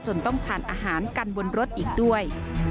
ต้องทานอาหารกันบนรถอีกด้วย